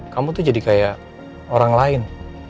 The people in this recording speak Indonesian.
kamu tuh jadi kayak orang lain